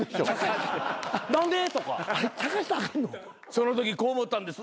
「そのときこう思ったんです」